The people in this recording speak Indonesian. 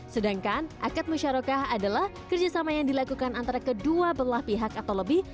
sedangkan akad musyarokah adalah kerjasama yang dilakukan antara kedua belah pihak atau lebih